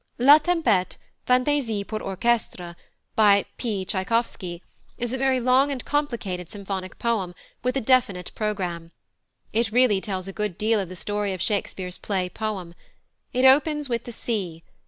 La Tempête, Fantaisie pour orchestre by +P. Tschaikowsky+, is a very long and complicated symphonic poem, with a definite programme. It really tells a good deal of the story of Shakespeare's play poem. It opens with "The Sea."